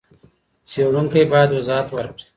څېړونکی بايد وضاحت ورکړي.